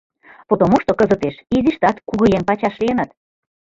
Потомушто кызытеш изиштат кугыеҥ пачаш лийыныт.